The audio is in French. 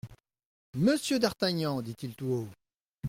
Monsieur d'Artagnan ! dit-il tout haut.